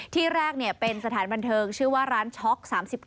ที่แรกเป็นสถานบันเทิงชื่อว่าร้านช็อก๓๙